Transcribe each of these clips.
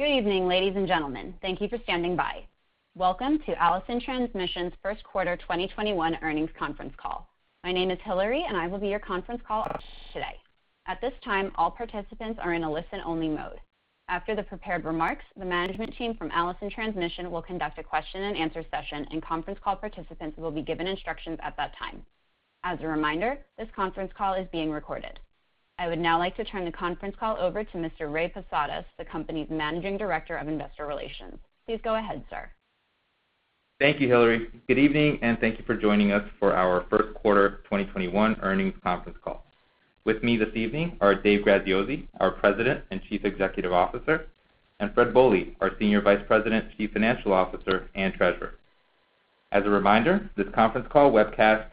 Good evening, ladies and gentlemen. Thank you for standing by. Welcome to Allison Transmission's Q1 2021 Earnings Conference Call. My name is Hillary, and I will be your conference call operator today. At this time, all participants are in a listen-only mode. After the prepared remarks, the management team from Allison Transmission will conduct a question-and-answer session, and conference call participants will be given instructions at that time. As a reminder, this conference call is being recorded. I would now like to turn the conference call over to Mr. Ray Posadas, the company's Managing Director of Investor Relations. Please go ahead, sir. Thank you, Hillary. Good evening, and thank you for joining us for our Q1 2021 Earnings Conference Call. With me this evening are Dave Graziosi, our President and Chief Executive Officer, and Fred Bohley, our Senior Vice President, Chief Financial Officer, and Treasurer. As a reminder, this conference call webcast and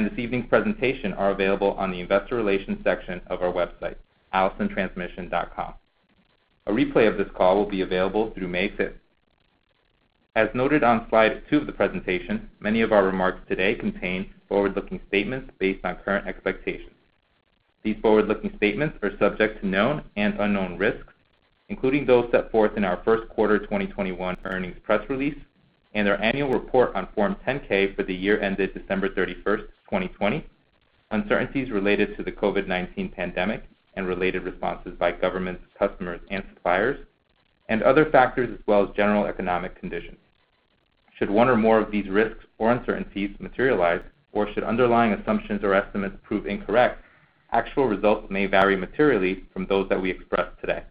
this evening's presentation are available on the investor relations section of our website, allisontransmission.com. A replay of this call will be available through May 5th 2021. As noted on slide 2 of the presentation, many of our remarks today contain forward-looking statements based on current expectations. These forward-looking statements are subject to known and unknown risks, including those set forth in our Q1 2021 earnings press release and our annual report on Form 10-K for the year ended December 31, 2020, uncertainties related to the COVID-19 pandemic and related responses by governments, customers, and suppliers, and other factors as well as general economic conditions. Should one or more of these risks or uncertainties materialize, or should underlying assumptions or estimates prove incorrect, actual results may vary materially from those that we express today.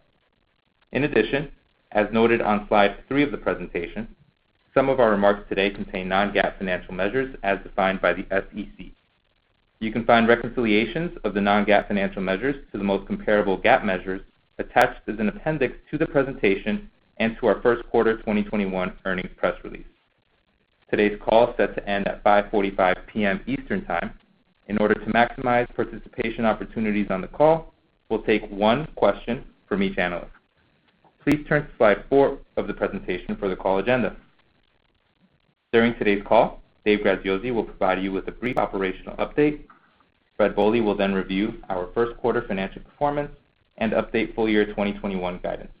In addition, as noted on slide 3 of the presentation, some of our remarks today contain non-GAAP financial measures as defined by the SEC. You can find reconciliations of the non-GAAP financial measures to the most comparable GAAP measures attached as an appendix to the presentation and to our Q1 2021 earnings press release. Today's call is set to end at 5:45 P.M. Eastern Time. In order to maximize participation opportunities on the call, we'll take one question from each analyst. Please turn to slide 4 of the presentation for the call agenda. During today's call, Dave Graziosi will provide you with a brief operational update. Fred Bohley will then review our Q1 financial performance and update full-year 2021 guidance.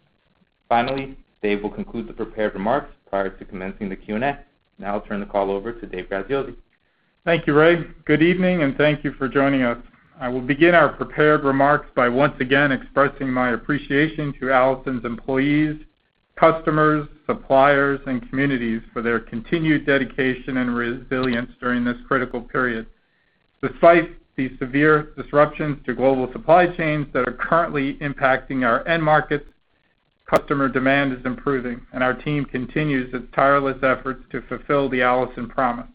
Finally, Dave will conclude the prepared remarks prior to commencing the Q&A. Now I'll turn the call over to Dave Graziosi. Thank you, Ray. Good evening, and thank you for joining us. I will begin our prepared remarks by once again expressing my appreciation to Allison's employees, customers, suppliers, and communities for their continued dedication and resilience during this critical period. Despite the severe disruptions to global supply chains that are currently impacting our end markets, customer demand is improving, and our team continues its tireless efforts to fulfill the Allison promise.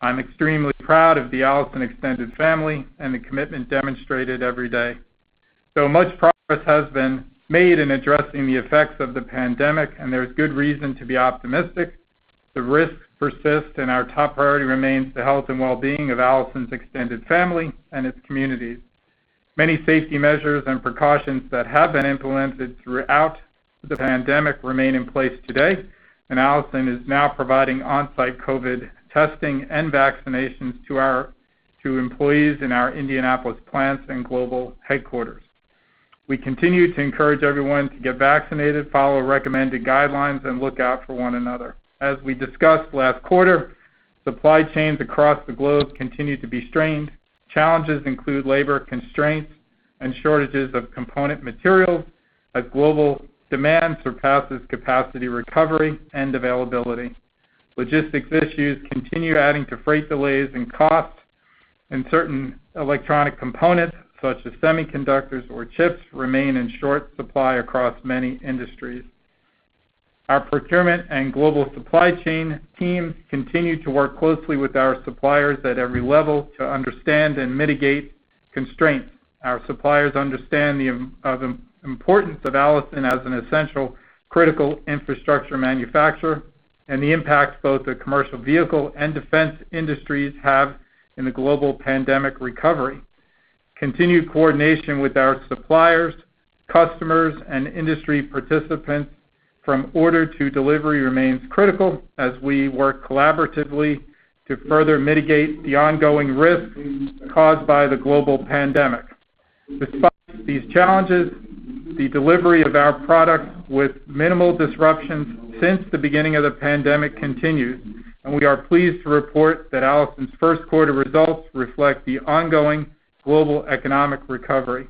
I'm extremely proud of the Allison extended family and the commitment demonstrated every day. Though much progress has been made in addressing the effects of the pandemic and there is good reason to be optimistic, the risks persist and our top priority remains the health and well-being of Allison's extended family and its communities. Many safety measures and precautions that have been implemented throughout the pandemic remain in place today, and Allison is now providing on-site COVID testing and vaccinations to employees in our Indianapolis plants and global headquarters. We continue to encourage everyone to get vaccinated, follow recommended guidelines, and look out for one another. As we discussed last quarter, supply chains across the globe continue to be strained. Challenges include labor constraints and shortages of component materials as global demand surpasses capacity recovery and availability. Logistics issues continue adding to freight delays and costs, and certain electronic components, such as semiconductors or chips, remain in short supply across many industries. Our procurement and global supply chain teams continue to work closely with our suppliers at every level to understand and mitigate constraints. Our suppliers understand the importance of Allison as an essential critical infrastructure manufacturer and the impact both the commercial vehicle and defense industries have in the global pandemic recovery. Continued coordination with our suppliers, customers, and industry participants from order to delivery remains critical as we work collaboratively to further mitigate the ongoing risks caused by the global pandemic. Despite these challenges, the delivery of our products with minimal disruptions since the beginning of the pandemic continues, and we are pleased to report that Allison's Q1 results reflect the ongoing global economic recovery.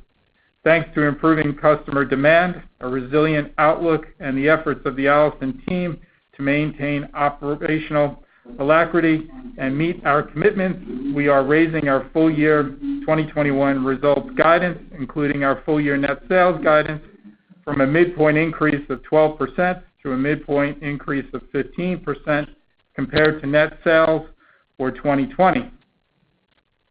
Thanks to improving customer demand, a resilient outlook, and the efforts of the Allison team to maintain operational alacrity and meet our commitments, we are raising our full-year 2021 results guidance, including our full-year net sales guidance, from a midpoint increase of 12% to a midpoint increase of 15% compared to net sales for 2020.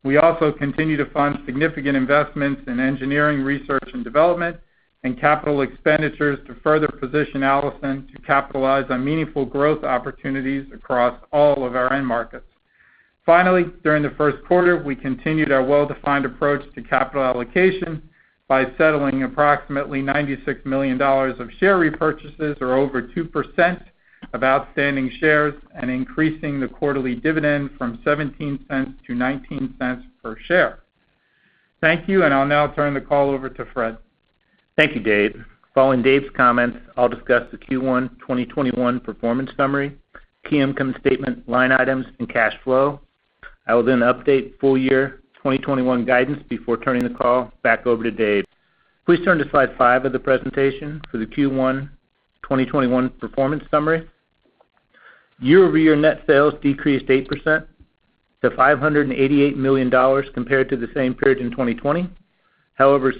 We also continue to fund significant investments in engineering, research and development, and capital expenditures to further position Allison to capitalize on meaningful growth opportunities across all of our end markets. During the Q1, we continued our well-defined approach to capital allocation by settling approximately $96 million of share repurchases, or over 2% of outstanding shares and increasing the quarterly dividend from $0.17 to $0.19 per share. Thank you, and I'll now turn the call over to Fred. Thank you, Dave. Following Dave's comments, I will discuss the Q1 2021 performance summary, key income statement line items, and cash flow. I will then update full year 2021 guidance before turning the call back over to Dave. Please turn to slide 5 of the presentation for the Q1 2021 performance summary. Year-over-year net sales decreased 8% to $588 million compared to the same period in 2020.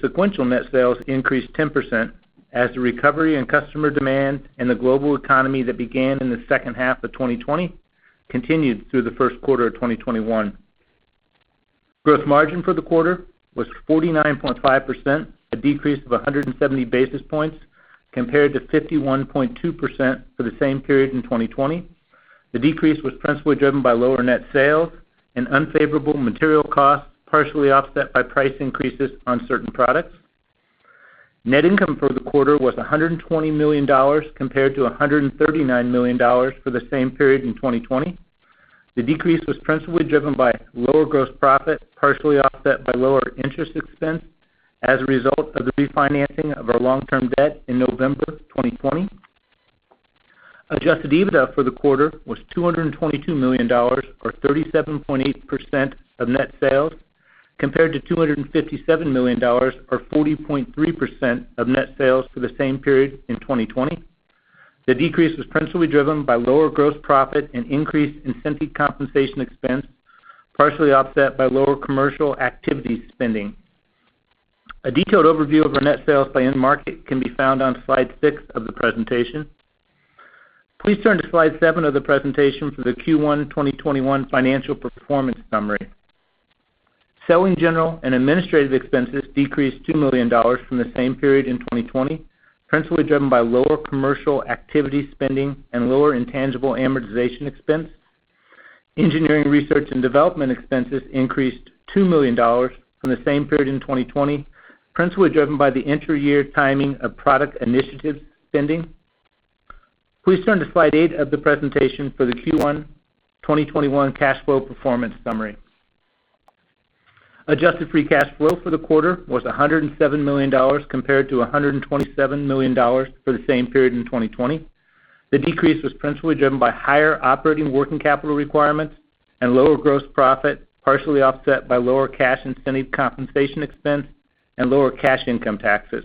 Sequential net sales increased 10% as the recovery in customer demand and the global economy that began in the second half of 2020 continued through the Q1 of 2021. Gross margin for the quarter was 49.5%, a decrease of 170 basis points compared to 51.2% for the same period in 2020. The decrease was principally driven by lower net sales and unfavorable material costs, partially offset by price increases on certain products. Net income for the quarter was $120 million, compared to $139 million for the same period in 2020. The decrease was principally driven by lower gross profit, partially offset by lower interest expense as a result of the refinancing of our long-term debt in November 2020. Adjusted EBITDA for the quarter was $222 million, or 37.8% of net sales, compared to $257 million, or 40.3% of net sales for the same period in 2020. The decrease was principally driven by lower gross profit and increased incentive compensation expense, partially offset by lower commercial activity spending. A detailed overview of our net sales by end market can be found on slide 6 of the presentation. Please turn to slide 7 of the presentation for the Q1 2021 financial performance summary. Selling general and administrative expenses decreased $2 million from the same period in 2020, principally driven by lower commercial activity spending and lower intangible amortization expense. Engineering research and development expenses increased $2 million from the same period in 2020, principally driven by the intra-year timing of product initiative spending. Please turn to slide 8 of the presentation for the Q1 2021 cash flow performance summary. Adjusted free cash flow for the quarter was $107 million, compared to $127 million for the same period in 2020. The decrease was principally driven by higher operating working capital requirements and lower gross profit, partially offset by lower cash incentive compensation expense and lower cash income taxes.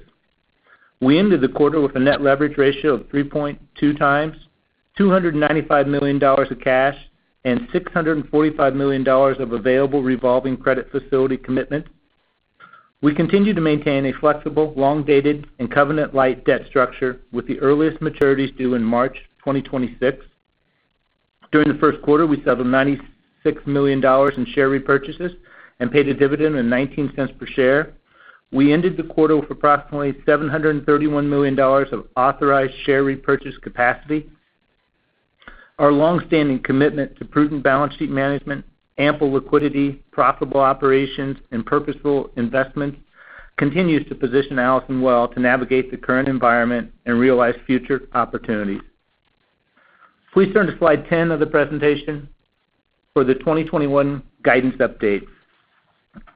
We ended the quarter with a net leverage ratio of 3.2x, $295 million of cash, and $645 million of available revolving credit facility commitment. We continue to maintain a flexible, long-dated, and covenant light debt structure with the earliest maturities due in March 2026. During the Q1, we settled $96 million in share repurchases and paid a dividend of $0.19 per share. We ended the quarter with approximately $731 million of authorized share repurchase capacity. Our longstanding commitment to prudent balance sheet management, ample liquidity, profitable operations, and purposeful investments continues to position Allison well to navigate the current environment and realize future opportunities. Please turn to slide 10 of the presentation for the 2021 guidance update.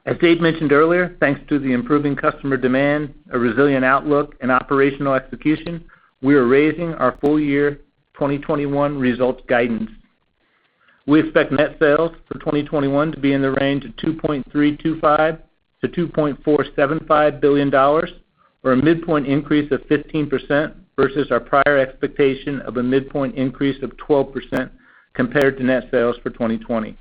As Dave mentioned earlier, thanks to the improving customer demand, a resilient outlook, and operational execution, we are raising our full year 2021 results guidance. We expect net sales for 2021 to be in the range of $2.325 billion-$2.475 billion, or a midpoint increase of 15% versus our prior expectation of a midpoint increase of 12% compared to net sales for 2020.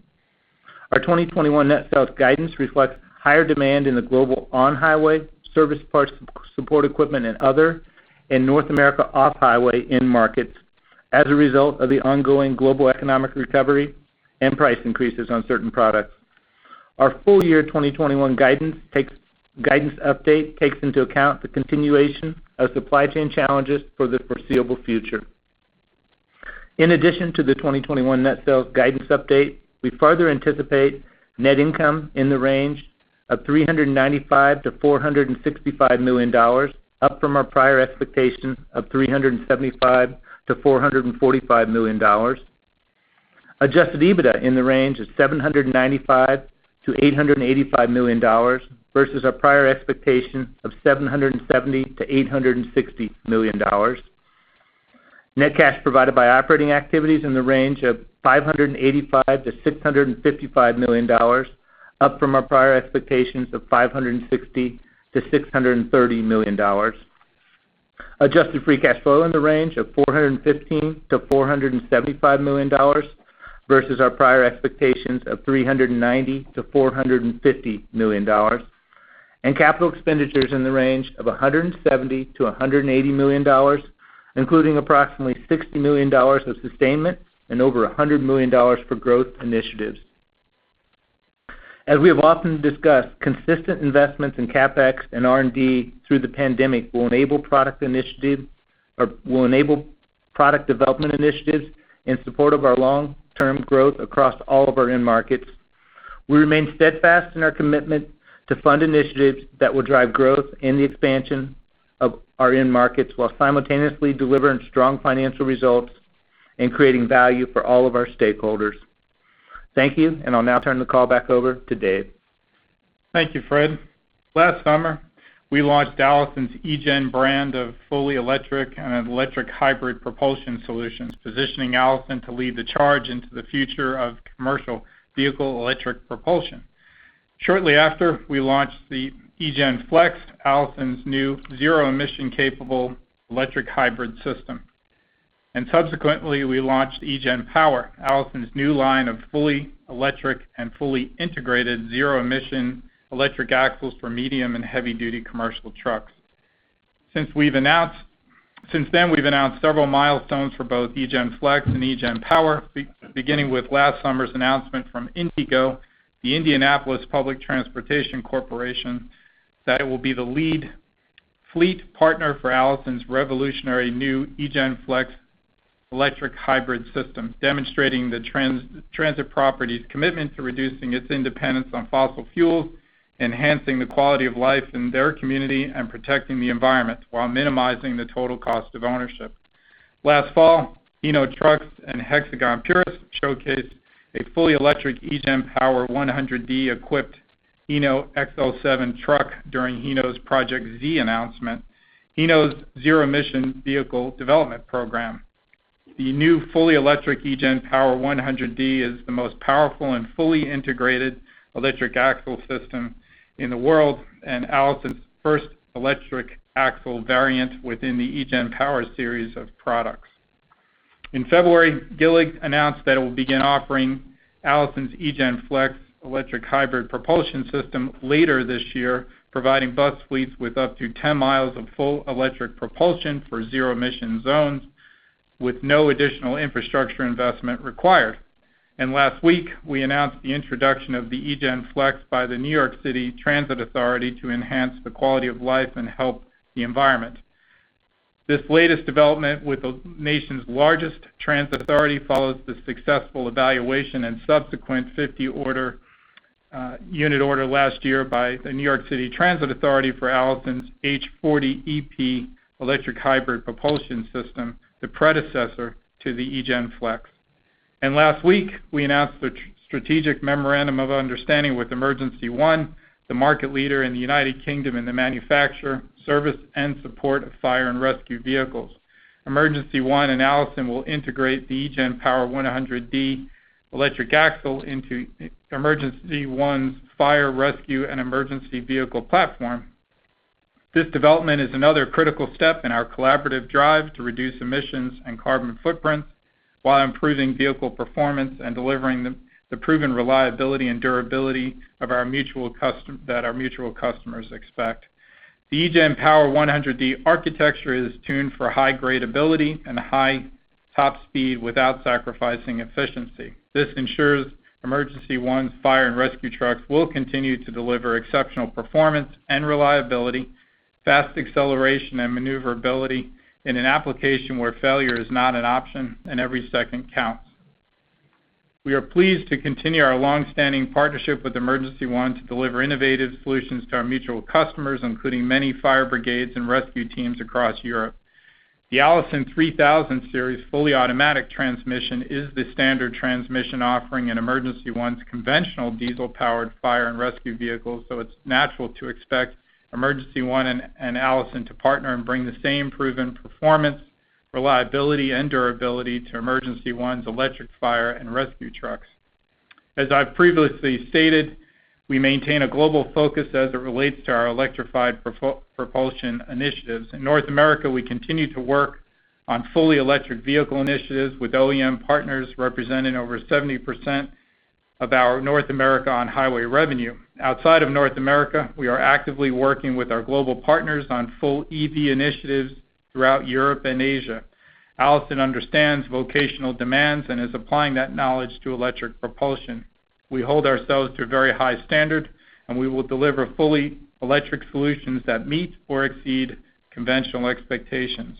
Our 2021 net sales guidance reflects higher demand in the global on-highway service parts support equipment and other in North America off-highway end markets as a result of the ongoing global economic recovery and price increases on certain products. Our full year 2021 guidance update takes into account the continuation of supply chain challenges for the foreseeable future. In addition to the 2021 net sales guidance update, we further anticipate net income in the range of $395 million-$465 million, up from our prior expectation of $375 million-$445 million. Adjusted EBITDA in the range of $795 million-$885 million versus our prior expectation of $770 million-$860 million. Net cash provided by operating activities in the range of $585 million-$655 million, up from our prior expectations of $560 million-$630 million. Adjusted free cash flow in the range of $415 million-$475 million versus our prior expectations of $390 million-$450 million. Capital expenditures in the range of $170 million-$180 million, including approximately $60 million of sustainment and over $100 million for growth initiatives. As we have often discussed, consistent investments in CapEx and R&D through the pandemic will enable product development initiatives in support of our long-term growth across all of our end markets. We remain steadfast in our commitment to fund initiatives that will drive growth in the expansion of our end markets, while simultaneously delivering strong financial results and creating value for all of our stakeholders. Thank you, and I'll now turn the call back over to Dave. Thank you, Fred. Last summer, we launched Allison's eGen brand of fully electric and electric hybrid propulsion solutions, positioning Allison to lead the charge into the future of commercial vehicle electric propulsion. Shortly after, we launched the eGen Flex, Allison's new zero-emission capable electric hybrid system. Subsequently, we launched eGen Power, Allison's new line of fully electric and fully integrated zero-emission electric axles for medium and heavy-duty commercial trucks. Since then, we've announced several milestones for both eGen Flex and eGen Power, beginning with last summer's announcement from IndyGo, the Indianapolis Public Transportation Corporation, that it will be the lead fleet partner for Allison's revolutionary new eGen Flex electric hybrid system, demonstrating the transit property's commitment to reducing its independence on fossil fuels, enhancing the quality of life in their community, and protecting the environment while minimizing the total cost of ownership. Last fall, Hino Trucks and Hexagon Purus showcased a fully electric eGen Power 100D-equipped Hino XL7 truck during Hino's Project Z announcement, Hino's zero-emission vehicle development program. The new fully electric eGen Power 100D is the most powerful and fully integrated electric axle system in the world and Allison's first electric axle variant within the eGen Power series of products. In February, GILLIG announced that it will begin offering Allison's eGen Flex electric hybrid propulsion system later this year, providing bus fleets with up to 10 miles of full electric propulsion for zero-emission zones, with no additional infrastructure investment required. Last week, we announced the introduction of the eGen Flex by the New York City Transit Authority to enhance the quality of life and help the environment. This latest development with the nation's largest transit authority follows the successful evaluation and subsequent 50-unit order last year by the New York City Transit Authority for Allison's H 40 EP electric hybrid propulsion system, the predecessor to the eGen Flex. Last week, we announced a strategic memorandum of understanding with Emergency One, the market leader in the U.K. in the manufacture, service, and support of fire and rescue vehicles. Emergency One and Allison will integrate the eGen Power 100D electric axle into Emergency One's fire, rescue, and emergency vehicle platform. This development is another critical step in our collaborative drive to reduce emissions and carbon footprints while improving vehicle performance and delivering the proven reliability and durability that our mutual customers expect. The eGen Power 100D architecture is tuned for high gradability and a high top speed without sacrificing efficiency. This ensures Emergency One's fire and rescue trucks will continue to deliver exceptional performance and reliability, fast acceleration, and maneuverability in an application where failure is not an option and every second counts. We are pleased to continue our longstanding partnership with Emergency One to deliver innovative solutions to our mutual customers, including many fire brigades and rescue teams across Europe. The Allison 3000 Series fully automatic transmission is the standard transmission offering in Emergency One's conventional diesel-powered fire and rescue vehicles, so it's natural to expect Emergency One and Allison to partner and bring the same proven performance, reliability, and durability to Emergency One's electric fire and rescue trucks. As I've previously stated, we maintain a global focus as it relates to our electrified propulsion initiatives. In North America, we continue to work on fully electric vehicle initiatives with OEM partners representing over 70% of our North America on-highway revenue. Outside of North America, we are actively working with our global partners on full EV initiatives throughout Europe and Asia. Allison understands vocational demands and is applying that knowledge to electric propulsion. We hold ourselves to a very high standard, and we will deliver fully electric solutions that meet or exceed conventional expectations.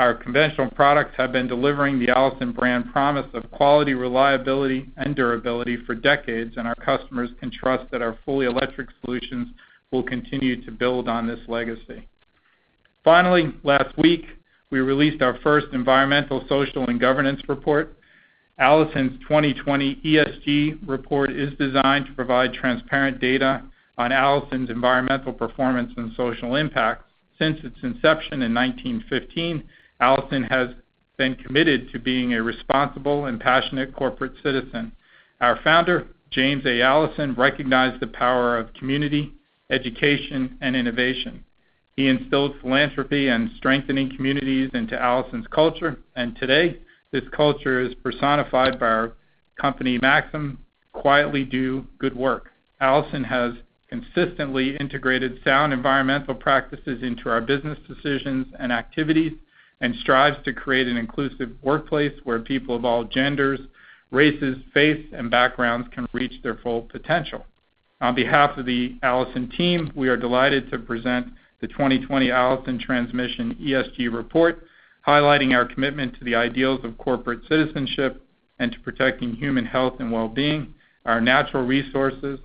Our conventional products have been delivering the Allison brand promise of quality, reliability, and durability for decades, and our customers can trust that our fully electric solutions will continue to build on this legacy. Finally, last week, we released our first environmental, social, and governance report. Allison's 2020 ESG report is designed to provide transparent data on Allison's environmental performance and social impact. Since its inception in 1915, Allison has been committed to being a responsible and passionate corporate citizen. Our founder, James A. Allison, recognized the power of community, education, and innovation. He instilled philanthropy and strengthening communities into Allison's culture, and today this culture is personified by our company maxim, "Quietly do good work." Allison has consistently integrated sound environmental practices into our business decisions and activities and strives to create an inclusive workplace where people of all genders, races, faiths, and backgrounds can reach their full potential. On behalf of the Allison team, we are delighted to present the 2020 Allison Transmission ESG report, highlighting our commitment to the ideals of corporate citizenship and to protecting human health and well-being, our natural resources,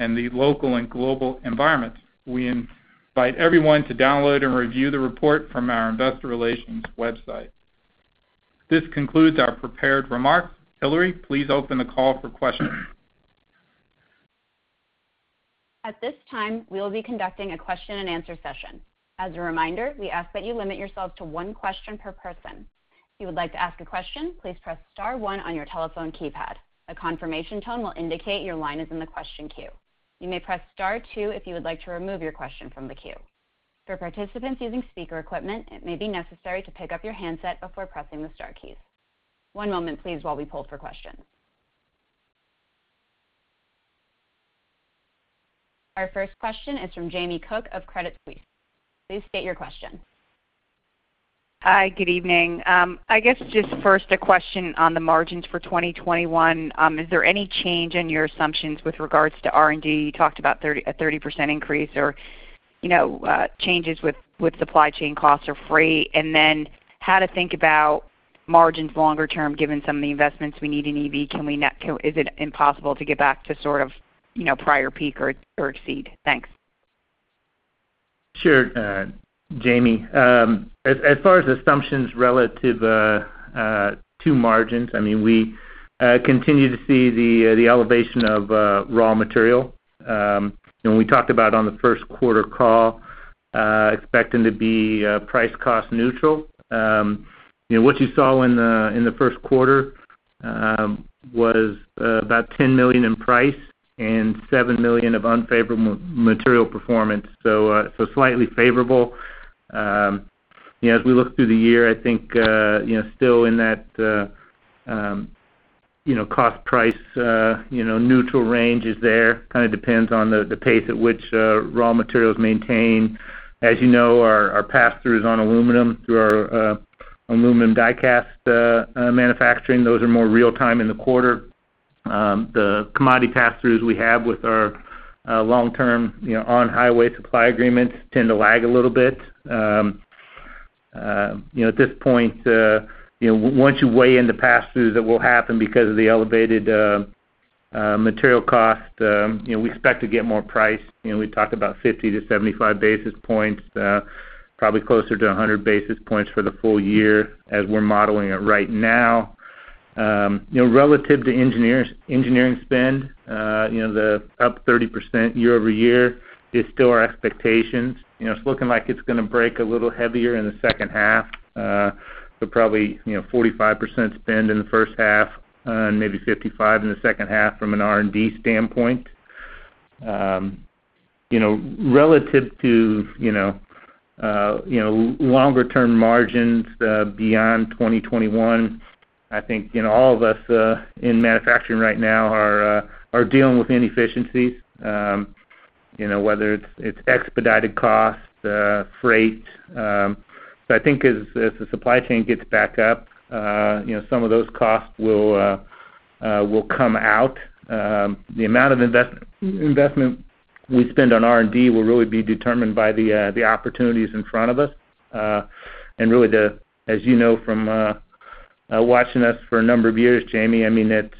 and the local and global environment. We invite everyone to download and review the report from our Investor Relations website. This concludes our prepared remarks. Hillary, please open the call for questions. Our first question is from Jamie Cook of Credit Suisse. Please state your question. Hi. Good evening. I guess just first a question on the margins for 2021. Is there any change in your assumptions with regards to R&D? You talked about a 30% increase or changes with supply chain costs or freight. How to think about margins longer term, given some of the investments we need in EV. Is it impossible to get back to prior peak or exceed? Thanks. Sure, Jamie. As far as assumptions relative to margins, we continue to see the elevation of raw material. We talked about on the Q1 call, expecting to be price cost neutral. What you saw in the Q1 was about $10 million in price and $7 million of unfavorable material performance, so slightly favorable. We look through the year, I think still in that cost price neutral range is there. Depends on the pace at which raw materials maintain. You know, our pass-throughs on aluminum through our aluminum die-cast manufacturing, those are more real-time in the quarter. The commodity pass-throughs we have with our long-term on-highway supply agreements tend to lag a little bit. At this point, once you weigh in the pass-throughs that will happen because of the elevated material cost, we expect to get more price. We talked about 50 to 75 basis points, probably closer to 100 basis points for the full year as we're modeling it right now. Relative to engineering spend, the up 30% year-over-year is still our expectations. It's looking like it's going to break a little heavier in the second half, so probably 45% spend in the first half and maybe 55 in the second half from an R&D standpoint. Relative to longer-term margins beyond 2021, I think all of us in manufacturing right now are dealing with inefficiencies, whether it's expedited costs, freight. I think as the supply chain gets back up, some of those costs will come out. The amount of investment we spend on R&D will really be determined by the opportunities in front of us. Really, as you know from watching us for a number of years, Jamie,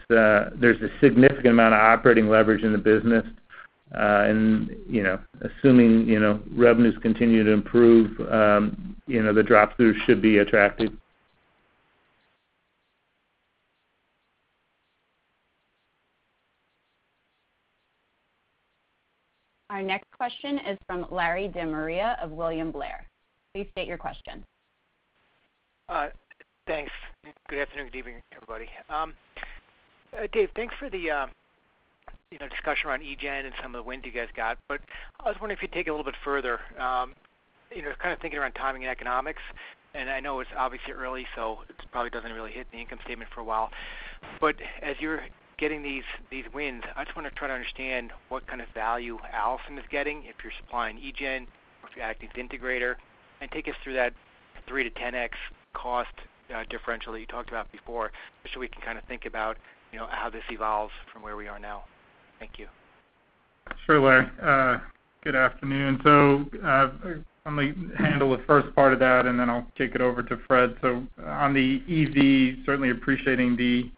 there's a significant amount of operating leverage in the business. Assuming revenues continue to improve, the drop-through should be attractive. Our next question is from Larry De Maria of William Blair. Please state your question. Thanks. Good afternoon, good evening, everybody. Dave, thanks for the discussion around eGen and some of the wind you guys got, but I was wondering if you'd take it a little bit further. Thinking around timing and economics, and I know it's obviously early, so it probably doesn't really hit the income statement for a while. As you're getting these wins, I just want to try to understand what kind of value Allison is getting if you're supplying eGen or if you're acting as integrator, and take us through that 3x-10x cost differential that you talked about before, just so we can think about how this evolves from where we are now. Thank you. Sure, Larry. Good afternoon. Let me handle the first part of that, and then I'll kick it over to Fred. On the EV, certainly appreciating the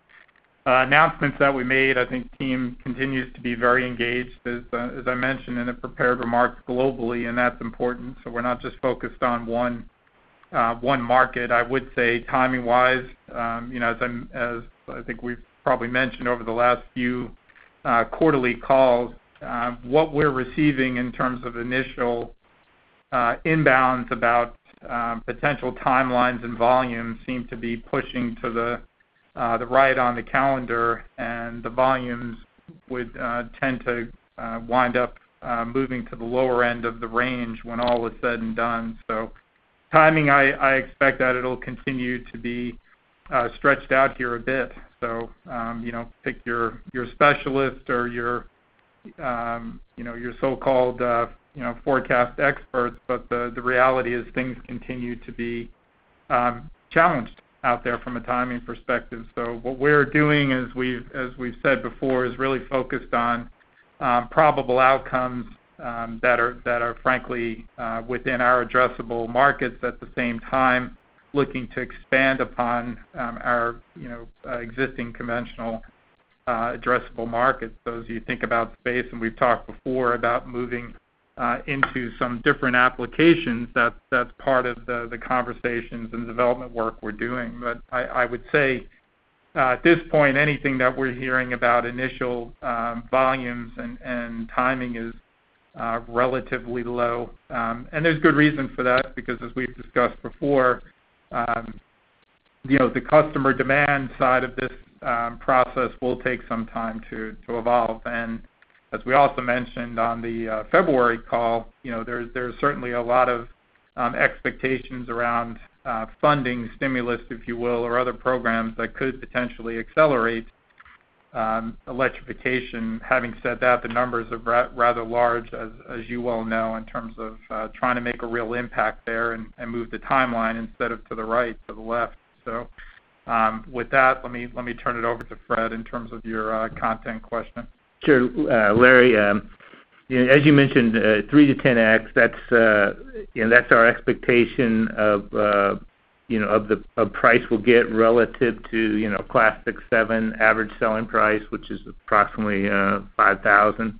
announcements that we made. I think team continues to be very engaged, as I mentioned in the prepared remarks, globally, and that's important. We're not just focused on one market. I would say timing-wise, as I think we've probably mentioned over the last few quarterly calls, what we're receiving in terms of initial inbounds about potential timelines and volumes seem to be pushing to the right on the calendar, and the volumes would tend to wind up moving to the lower end of the range when all is said and done. Timing, I expect that it'll continue to be stretched out here a bit. Take your specialist or your so-called forecast experts, but the reality is things continue to be challenged out there from a timing perspective. What we're doing, as we've said before, is really focused on probable outcomes that are frankly within our addressable markets, at the same time, looking to expand upon our existing conventional addressable markets. As you think about the space, and we've talked before about moving into some different applications, that's part of the conversations and development work we're doing. I would say at this point, anything that we're hearing about initial volumes and timing is relatively low. There's good reason for that, because as we've discussed before, the customer demand side of this process will take some time to evolve. As we also mentioned on the February call, there's certainly a lot of expectations around funding stimulus, if you will, or other programs that could potentially accelerate electrification. Having said that, the numbers are rather large, as you well know, in terms of trying to make a real impact there and move the timeline instead of to the right, to the left. With that, let me turn it over to Fred in terms of your content question. Sure. Larry, as you mentioned, 3x-10x, that's our expectation of the price we'll get relative to Class 7 average selling price, which is approximately $5,000.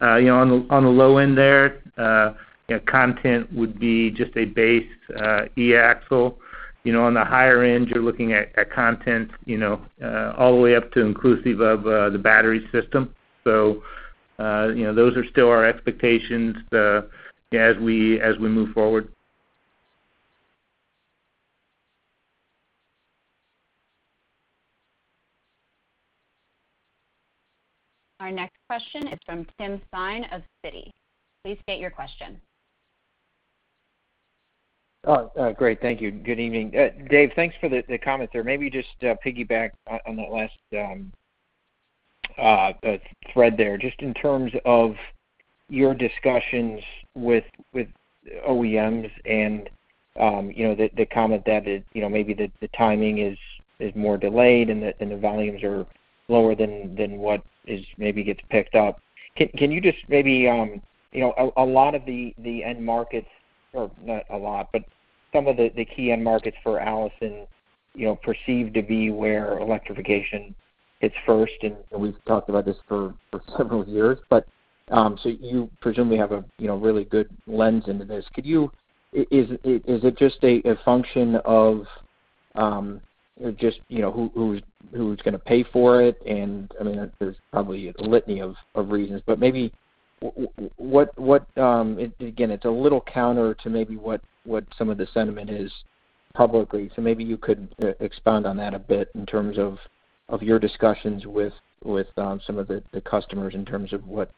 On the low end there, content would be just a base e-axle. On the higher end, you're looking at content all the way up to inclusive of the battery system. Those are still our expectations as we move forward. Our next question is from Tim Thein of Citi. Please state your question. Oh, great. Thank you. Good evening. Dave, thanks for the comments there. Maybe just to piggyback on that last thread there, just in terms of your discussions with OEMs and the comment that maybe the timing is more delayed and the volumes are lower than what maybe gets picked up. A lot of the end markets, or not a lot, but some of the key end markets for Allison, perceive to be where electrification hits first, and we've talked about this for several years, but, so you presumably have a really good lens into this. Is it just a function of just who's going to pay for it? I mean, there's probably a litany of reasons, but maybe, again, it's a little counter to maybe what some of the sentiment is publicly, so maybe you could expand on that a bit in terms of your discussions with some of the customers in terms of what's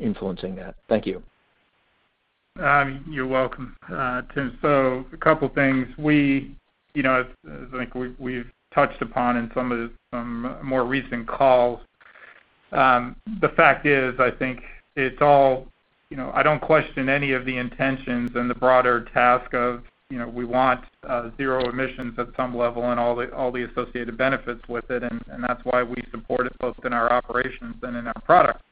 influencing that. Thank you. You're welcome, Tim. A couple things. I think we've touched upon in some more recent calls. The fact is, I think, I don't question any of the intentions and the broader task of we want zero emissions at some level and all the associated benefits with it, and that's why we support it both in our operations and in our products.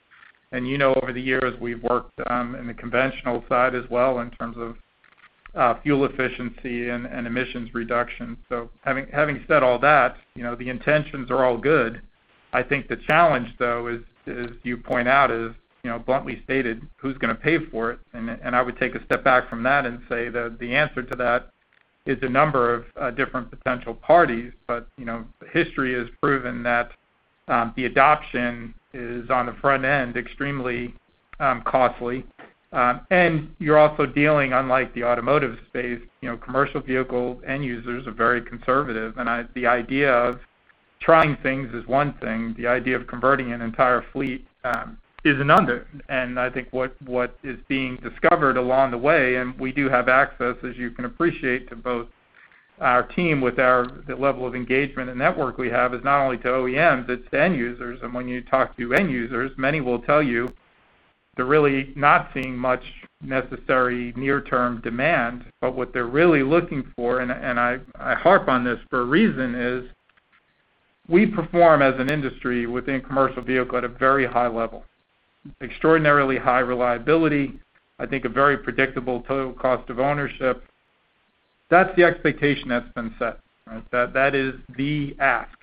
You know over the years, we've worked in the conventional side as well in terms of fuel efficiency and emissions reduction. Having said all that, the intentions are all good. I think the challenge, though, as you point out, is bluntly stated, who's going to pay for it? I would take a step back from that and say that the answer to that is a number of different potential parties. History has proven that the adoption is, on the front end, extremely costly. You're also dealing, unlike the automotive space, commercial vehicle end users are very conservative. The idea of trying things is one thing. The idea of converting an entire fleet is another. I think what is being discovered along the way, and we do have access, as you can appreciate, to both our team with the level of engagement and network we have, is not only to OEMs, it's to end users. When you talk to end users, many will tell you they're really not seeing much necessary near-term demand. What they're really looking for, and I harp on this for a reason, is we perform as an industry within commercial vehicle at a very high level. Extraordinarily high reliability, I think a very predictable total cost of ownership. That's the expectation that's been set, right? That is the ask.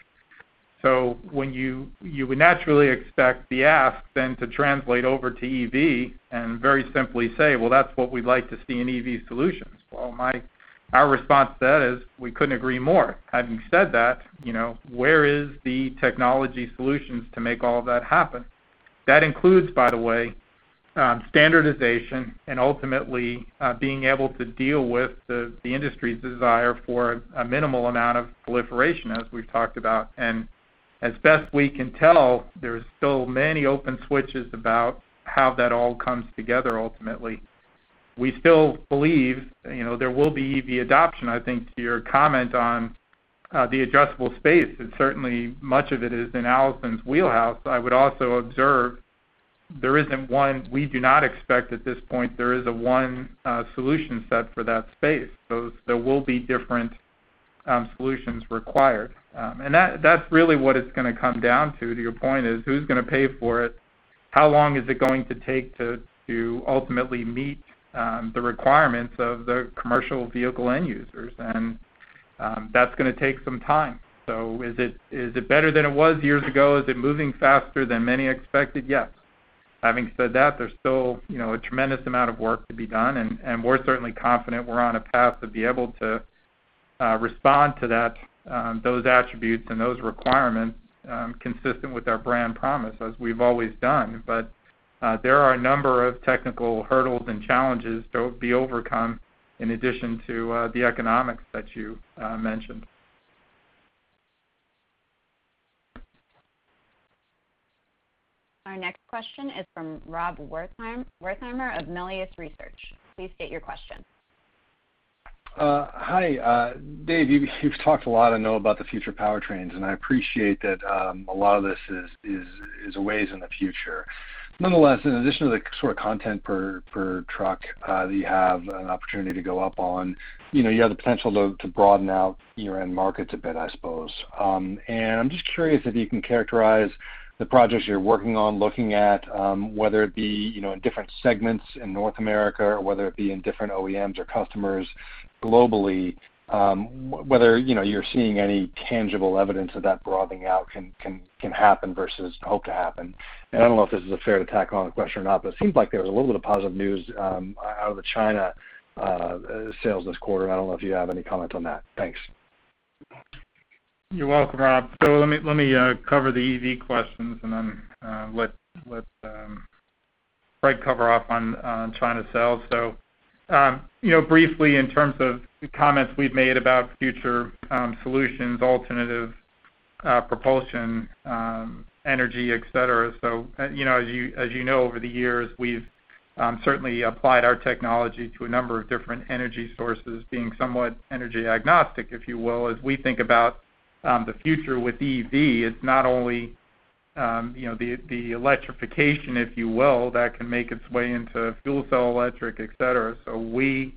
You would naturally expect the ask then to translate over to EV and very simply say, "Well, that's what we'd like to see in EV solutions." Our response to that is we couldn't agree more. Having said that, where is the technology solutions to make all of that happen? That includes, by the way, standardization and ultimately being able to deal with the industry's desire for a minimal amount of proliferation, as we've talked about. As best we can tell, there are still many open switches about how that all comes together, ultimately. We still believe there will be EV adoption. I think to your comment on the addressable space, and certainly much of it is in Allison's wheelhouse. I would also observe, there isn't one. We do not expect at this point there is a one solution set for that space. There will be different solutions required. That's really what it's going to come down to your point is who's going to pay for it? How long is it going to take to ultimately meet the requirements of the commercial vehicle end users? That's going to take some time. Is it better than it was years ago? Is it moving faster than many expected? Yes. Having said that, there's still a tremendous amount of work to be done, and we're certainly confident we're on a path to be able to respond to those attributes and those requirements consistent with our brand promise, as we've always done. There are a number of technical hurdles and challenges to be overcome in addition to the economics that you mentioned. Our next question is from Rob Wertheimer of Melius Research. Please state your question. Hi. Dave, you've talked a lot, I know, about the future powertrains, and I appreciate that a lot of this is a ways in the future. Nonetheless, in addition to the sort of content per truck that you have an opportunity to go up on, you have the potential to broaden out your end markets a bit, I suppose. I'm just curious if you can characterize the projects you're working on looking at, whether it be in different segments in North America, or whether it be in different OEMs or customers globally, whether you're seeing any tangible evidence that that broadening out can happen versus hope to happen? I don't know if this is a fair tack on the question or not, but it seems like there was a little bit of positive news out of the China sales this quarter. I don't know if you have any comment on that. Thanks. You're welcome, Rob. Let me cover the EV questions and then let Fred cover off on China sales. Briefly in terms of comments we've made about future solutions, alternative propulsion, energy, et cetera. As you know, over the years, we've certainly applied our technology to a number of different energy sources, being somewhat energy agnostic, if you will. As we think about the future with EV, it's not only the electrification, if you will, that can make its way into fuel cell, electric, et cetera. We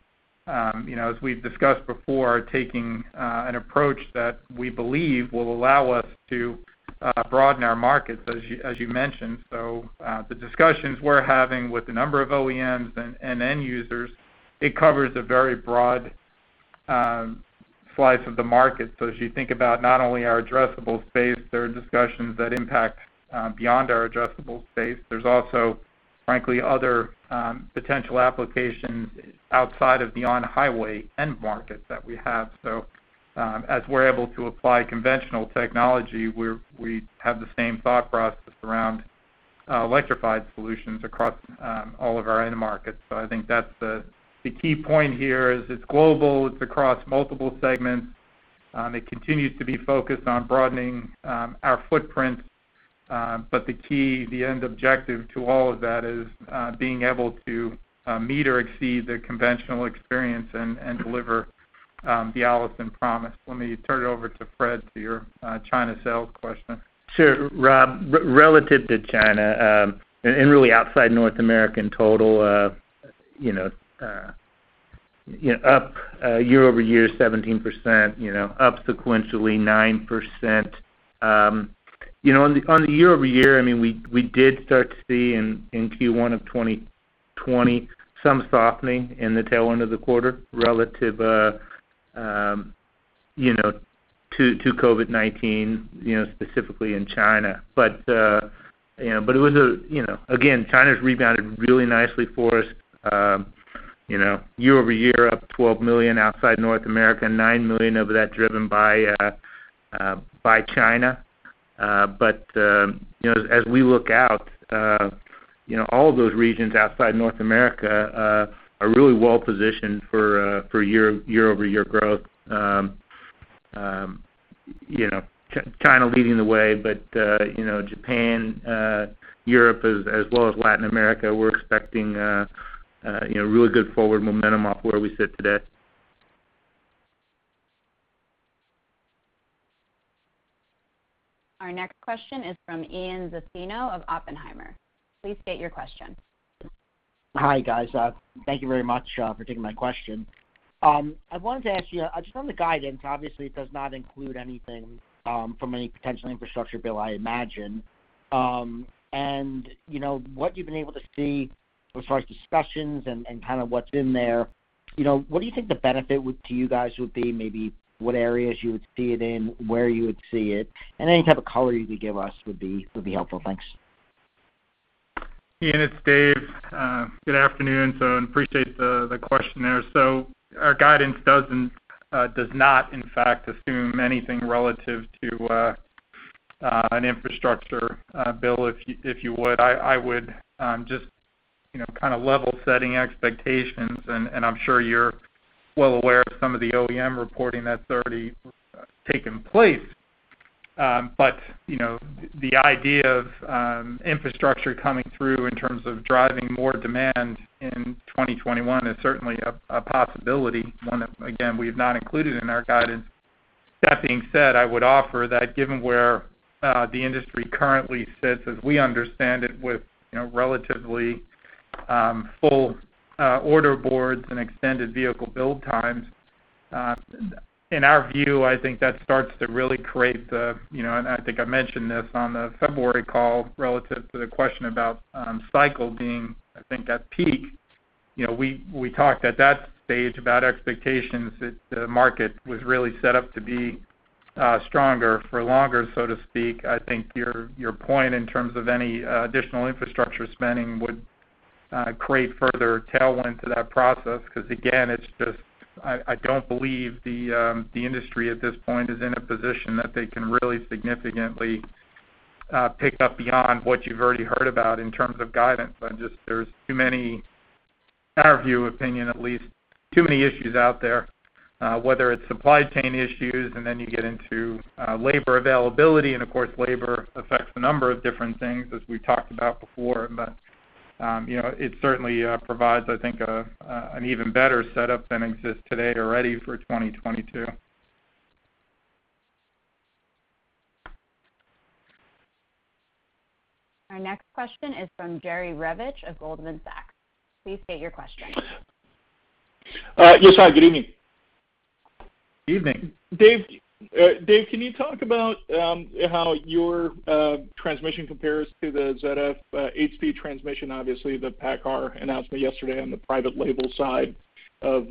as we've discussed before, are taking an approach that we believe will allow us to broaden our markets, as you mentioned. The discussions we're having with a number of OEMs and end users, it covers a very broad slice of the market. As you think about not only our addressable space, there are discussions that impact beyond our addressable space. There's also, frankly, other potential applications outside of the on-highway end markets that we have. As we're able to apply conventional technology, we have the same thought process around electrified solutions across all of our end markets. I think that's the key point here is it's global, it's across multiple segments. It continues to be focused on broadening our footprint. The key, the end objective to all of that is being able to meet or exceed the conventional experience and deliver the Allison promise. Let me turn it over to Fred for your China sales question. Sure, Rob. Relative to China and really outside North American total up year-over-year, 17%, up sequentially 9%. On the year-over-year, we did start to see in Q1 2020 some softening in the tail end of the quarter relative to COVID-19 specifically in China. Again, China's rebounded really nicely for us. Year-over-year up $12 million outside North America, $9 million of that driven by China. As we look out all of those regions outside North America are really well positioned for year-over-year growth. China leading the way, Japan, Europe, as well as Latin America, we're expecting really good forward momentum off where we sit today. Our next question is from Ian Zaffino of Oppenheimer. Please state your question. Hi, guys. Thank you very much for taking my question. I wanted to ask you, just on the guidance, obviously it does not include anything from any potential infrastructure bill, I imagine. What you've been able to see as far as discussions and kind of what's in there, what do you think the benefit to you guys would be? Maybe what areas you would see it in, where you would see it, and any type of color you could give us would be helpful. Thanks. Ian, it's Dave. Good afternoon, appreciate the question there. Our guidance does not, in fact, assume anything relative to an infrastructure bill, if you would. I would just kind of level setting expectations, and I'm sure you're well aware of some of the OEM reporting that's already taken place. The idea of infrastructure coming through in terms of driving more demand in 2021 is certainly a possibility, one that, again, we have not included in our guidance. That being said, I would offer that given where the industry currently sits, as we understand it, with relatively full order boards and extended vehicle build times. I think I mentioned this on the February call relative to the question about cycle being, I think, at peak. We talked at that stage about expectations that the market was really set up to be stronger for longer, so to speak. I think your point, in terms of any additional infrastructure spending, would create further tailwind to that process, because again, I don't believe the industry at this point is in a position that they can really significantly pick up beyond what you've already heard about in terms of guidance. There's too many, in our view, opinion at least, too many issues out there, whether it's supply chain issues and then you get into labor availability, and of course, labor affects a number of different things as we've talked about before. But it certainly provides, I think, an even better setup than exists today already for 2022. Our next question is from Jerry Revich of Goldman Sachs. Please state your question. Yes. Hi, good evening. Evening. Dave, can you talk about how your transmission compares to the ZF 8-speed transmission? Obviously, the PACCAR announcement yesterday on the private label side of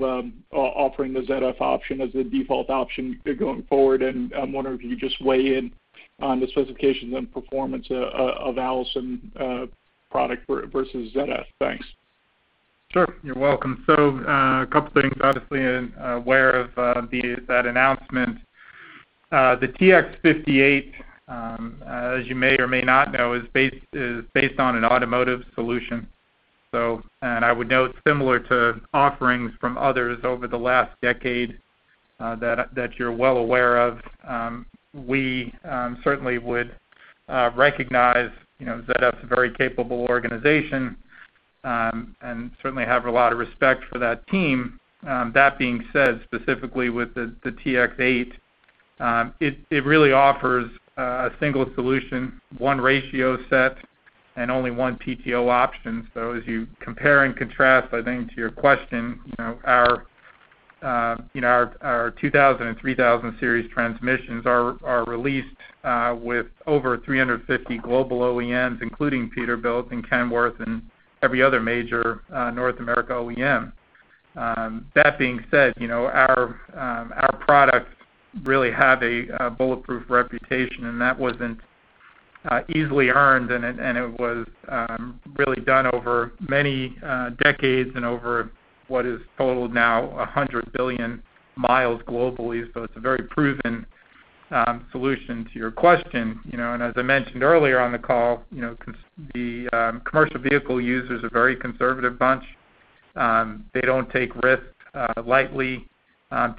offering the ZF option as the default option going forward, I wonder if you just weigh in on the specifications and performance of Allison product versus ZF. Thanks. Sure. You're welcome. A couple things. Obviously, aware of that announcement. The TX-8, as you may or may not know, is based on an automotive solution. I would note, similar to offerings from others over the last decade that you're well aware of, we certainly would recognize ZF's a very capable organization, and certainly have a lot of respect for that team. That being said, specifically with the TX-8, it really offers a single solution, one ratio set, and only one PTO option. As you compare and contrast, I think to your question, our 2000 Series and 3000 Series transmissions are released with over 350 global OEMs, including Peterbilt and Kenworth and every other major North America OEM. That being said, our products really have a bulletproof reputation, and that wasn't easily earned, and it was really done over many decades and over what is totaled now 100 billion miles globally. It's a very proven solution to your question. As I mentioned earlier on the call, the commercial vehicle users are a very conservative bunch. They don't take risks lightly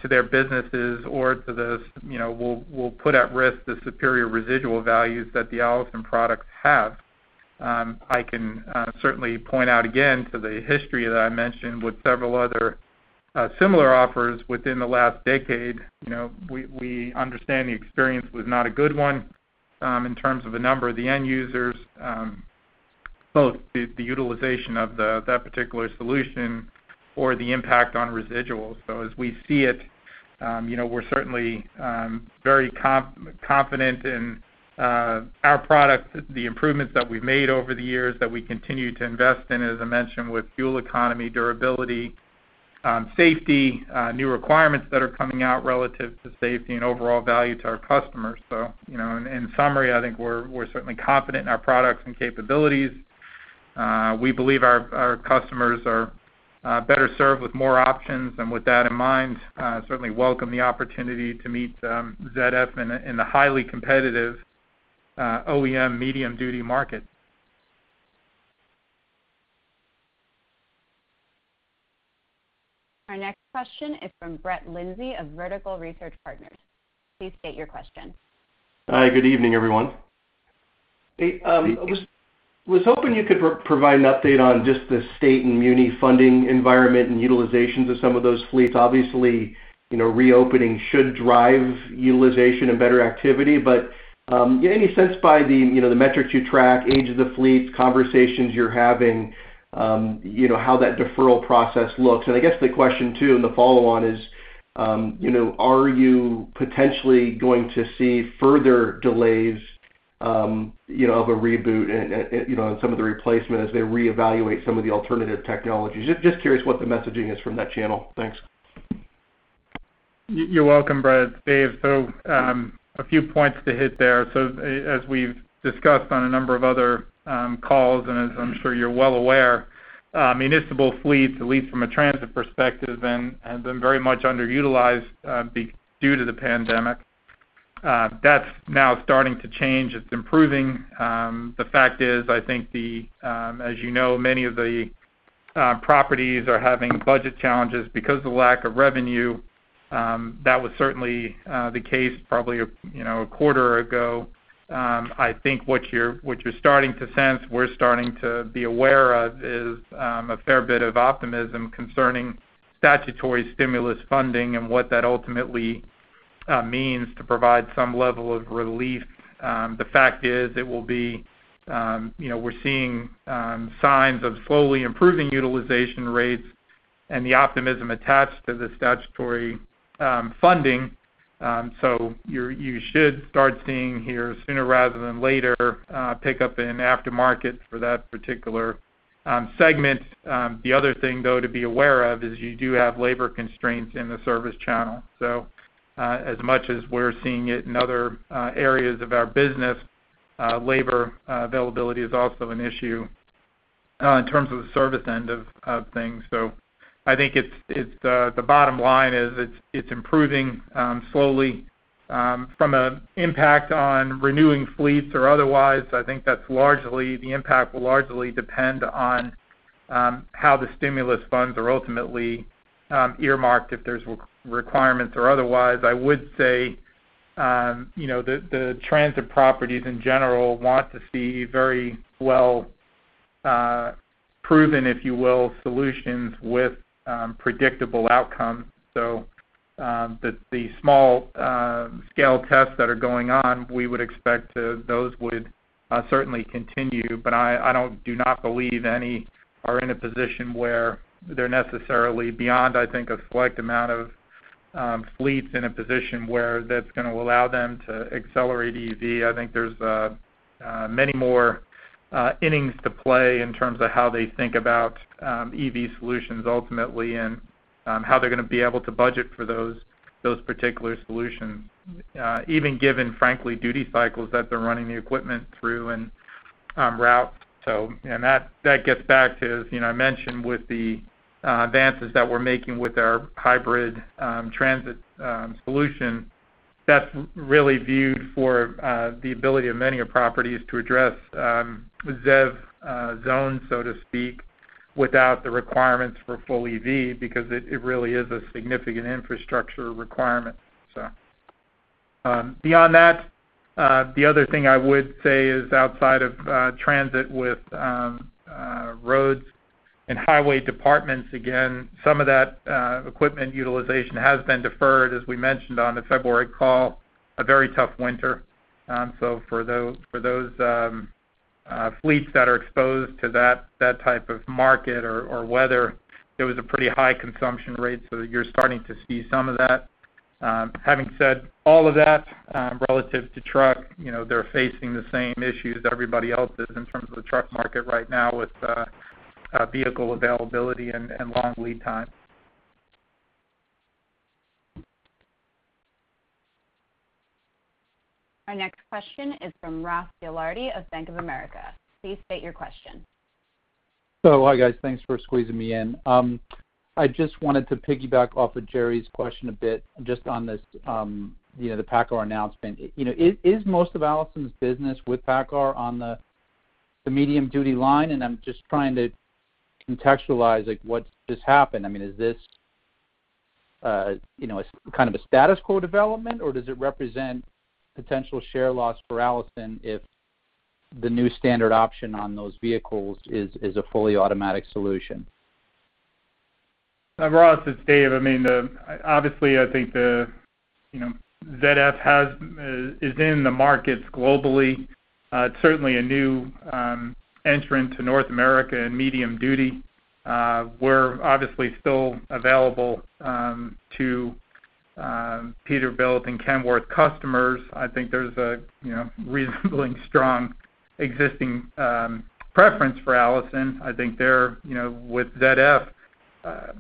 to their businesses or will put at risk the superior residual values that the Allison products have. I can certainly point out again to the history that I mentioned with several other similar offers within the last decade. We understand the experience was not a good one in terms of a number of the end users, both the utilization of that particular solution or the impact on residuals. As we see it, we're certainly very confident in our product, the improvements that we've made over the years that we continue to invest in, as I mentioned, with fuel economy, durability, safety, new requirements that are coming out relative to safety and overall value to our customers. In summary, I think we're certainly confident in our products and capabilities. We believe our customers are better served with more options, and with that in mind, certainly welcome the opportunity to meet ZF in the highly competitive OEM medium-duty market. Our next question is from Brett Linzey of Vertical Research Partners. Please state your question. Hi, good evening, everyone. Good evening. I was hoping you could provide an update on just the state and muni funding environment and utilizations of some of those fleets. Obviously, reopening should drive utilization and better activity. Any sense by the metrics you track, age of the fleets, conversations you're having, how that deferral process looks? I guess the question, too, and the follow-on is, are you potentially going to see further delays of a reboot in some of the replacement as they reevaluate some of the alternative technologies? Just curious what the messaging is from that channel. Thanks. You're welcome, Brett. Dave. A few points to hit there. As we've discussed on a number of other calls, and as I'm sure you're well aware, municipal fleets, at least from a transit perspective, have been very much underutilized due to the pandemic. That's now starting to change. It's improving. The fact is, I think, as you know, many of the properties are having budget challenges because of the lack of revenue. That was certainly the case probably a quarter ago. I think what you're starting to sense, we're starting to be aware of, is a fair bit of optimism concerning statutory stimulus funding and what that ultimately means to provide some level of relief. The fact is, we're seeing signs of slowly improving utilization rates and the optimism attached to the statutory funding. You should start seeing here, sooner rather than later, a pickup in aftermarket for that particular segment. The other thing, though, to be aware of is you do have labor constraints in the service channel. As much as we're seeing it in other areas of our business, labor availability is also an issue in terms of the service end of things. I think the bottom line is it's improving slowly from an impact on renewing fleets or otherwise. I think the impact will largely depend on how the stimulus funds are ultimately earmarked, if there's requirements or otherwise. I would say, the trends of properties in general want to see very well proven, if you will, solutions with predictable outcomes. The small-scale tests that are going on, we would expect those would certainly continue, but I do not believe any are in a position where they're necessarily beyond, I think, a select amount of fleets in a position where that's going to allow them to accelerate EV. I think there's many more innings to play in terms of how they think about EV solutions ultimately and how they're going to be able to budget for those particular solutions. Even given, frankly, duty cycles that they're running the equipment through and route. That gets back to, as I mentioned, with the advances that we're making with our hybrid transit solution, that's really viewed for the ability of many properties to address ZEV zone, so to speak, without the requirements for full EV, because it really is a significant infrastructure requirement. Beyond that, the other thing I would say is outside of transit with roads and highway departments, again, some of that equipment utilization has been deferred, as we mentioned on the February call, a very tough winter. For those fleets that are exposed to that type of market or weather, there was a pretty high consumption rate. You're starting to see some of that. Having said all of that, relative to truck, they're facing the same issues everybody else is in terms of the truck market right now with vehicle availability and long lead times. Our next question is from Ross Gilardi of Bank of America. Please state your question. Hi, guys, thanks for squeezing me in. I just wanted to piggyback off of Jerry's question a bit just on the PACCAR announcement. Is most of Allison's business with PACCAR on the medium-duty line? I'm just trying to contextualize what just happened. I mean, is this a status quo development, or does it represent potential share loss for Allison if the new standard option on those vehicles is a fully automatic solution? Ross, it's Dave. Obviously, I think ZF is in the markets globally. It's certainly a new entrant to North America in medium-duty. We're obviously still available to Peterbilt and Kenworth customers. I think there's a reasonably strong existing preference for Allison. I think with ZF,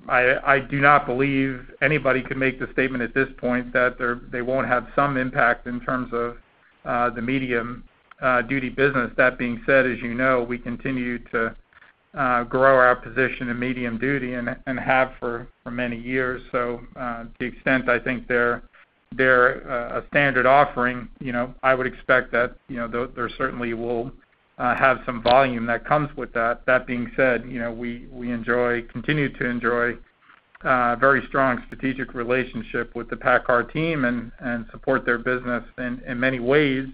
I do not believe anybody can make the statement at this point that they won't have some impact in terms of the medium-duty business. That being said, as you know, we continue to grow our position in medium duty and have for many years. To the extent I think they're a standard offering, I would expect that there certainly will have some volume that comes with that. That being said, we continue to enjoy a very strong strategic relationship with the PACCAR team and support their business in many ways.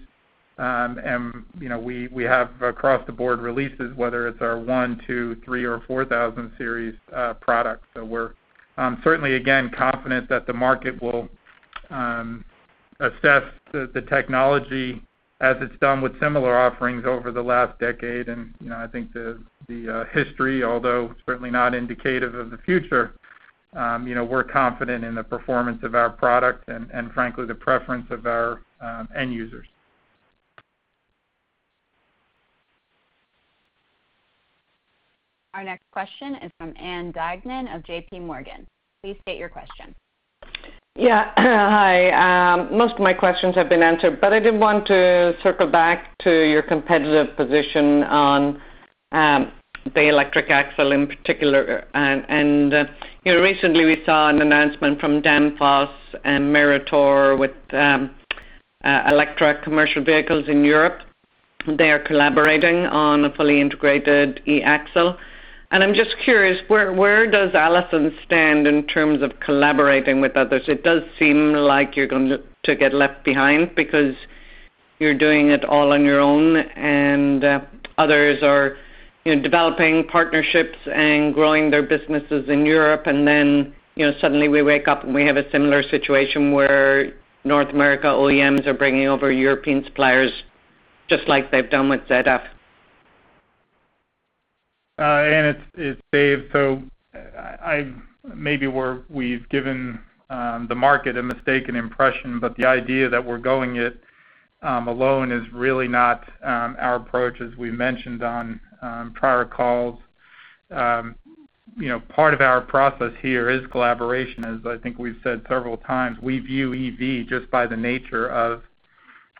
We have across-the-board releases, whether it's our 1000 Series, 2000 Series, 3000 Series, or 4000 Series products. We're certainly, again, confident that the market will assess the technology as it's done with similar offerings over the last decade. I think the history, although certainly not indicative of the future, we're confident in the performance of our product and frankly, the preference of our end users. Our next question is from Ann Duignan of JPMorgan. Please state your question. Yeah. Hi, most of my questions have been answered, but I did want to circle back to your competitive position on the electric axle in particular. Recently we saw an announcement from Danfoss and Meritor with electric commercial vehicles in Europe. They are collaborating on a fully integrated e-axle. I'm just curious, where does Allison stand in terms of collaborating with others? It does seem like you're going to get left behind because you're doing it all on your own, and others are developing partnerships and growing their businesses in Europe. Suddenly we wake up and we have a similar situation where North America OEMs are bringing over European suppliers, just like they've done with ZF. Ann, it's Dave. Maybe we've given the market a mistaken impression, but the idea that we're going it alone is really not our approach, as we mentioned on prior calls. Part of our process here is collaboration. As I think we've said several times, we view EV just by the nature of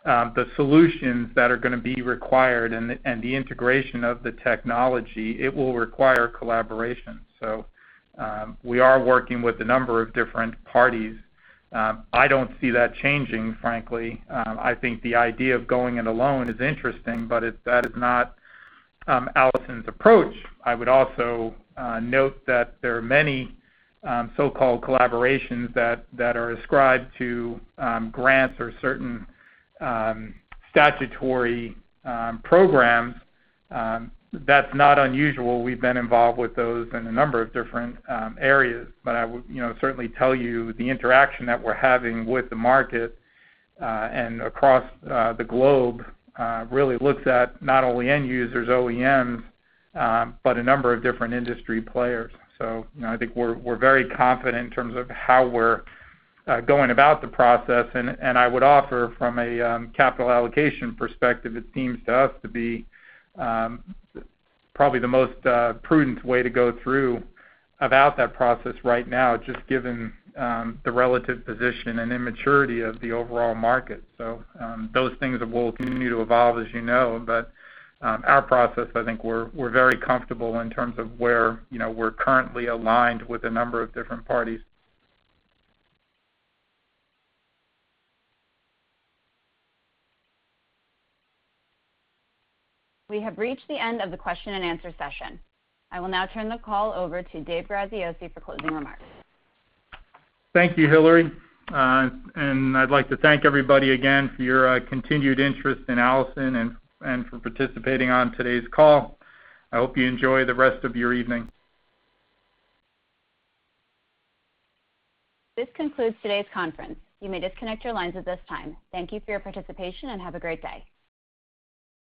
the solutions that are going to be required and the integration of the technology. It will require collaboration. We are working with a number of different parties. I don't see that changing, frankly. I think the idea of going it alone is interesting, but that is not Allison's approach. I would also note that there are many so-called collaborations that are ascribed to grants or certain statutory programs. That's not unusual. We've been involved with those in a number of different areas. I would certainly tell you the interaction that we're having with the market, and across the globe, really looks at not only end users, OEMs, but a number of different industry players. I think we're very confident in terms of how we're going about the process, and I would offer from a capital allocation perspective, it seems to us to be probably the most prudent way to go through about that process right now, just given the relative position and immaturity of the overall market. Those things will continue to evolve, as you know. Our process, I think we're very comfortable in terms of where we're currently aligned with a number of different parties. We have reached the end of the question-and-answer session. I will now turn the call over to Dave Graziosi for closing remarks. Thank you, Hillary. I'd like to thank everybody again for your continued interest in Allison and for participating on today's call. I hope you enjoy the rest of your evening. This concludes today's conference. You may disconnect your lines at this time. Thank you for your participation and have a great day.